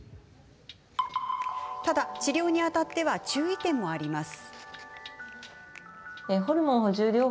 ただ、治療にあたっては注意点もあります。